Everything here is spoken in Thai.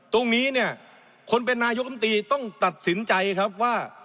ตรงนี้เนี่ยคนเป็นนายกรรมตรีต้องตัดสินใจครับว่า